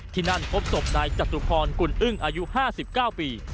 ที่นั่นพบศพนายจตุพรกุลอึ้งอายุ๕๙ปี